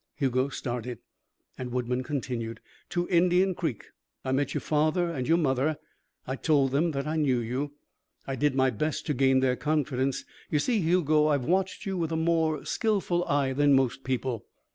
Hugo started, and Woodman continued: "To Indian Creek. I met your father and your mother. I told them that I knew you. I did my best to gain their confidence. You see, Hugo, I've watched you with a more skilful eye than most people.